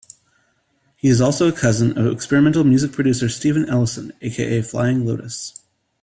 He is also a cousin of experimental music producer Steven Ellison, aka Flying Lotus.